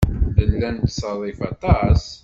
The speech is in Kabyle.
Nella nettṣerrif aṭas.